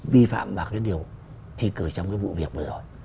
vi phạm vào điều thi cử trong vụ việc vừa rồi